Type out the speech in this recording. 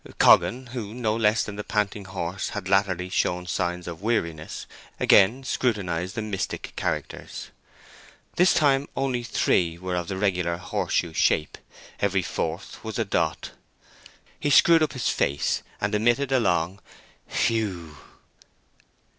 Coggan, who, no less than the panting horses, had latterly shown signs of weariness, again scrutinized the mystic characters. This time only three were of the regular horseshoe shape. Every fourth was a dot. He screwed up his face and emitted a long "Whew w w!"